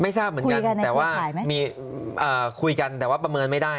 ทราบเหมือนกันแต่ว่ามีคุยกันแต่ว่าประเมินไม่ได้